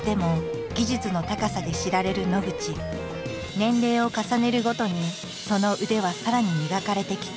年齢を重ねるごとにその腕はさらに磨かれてきた。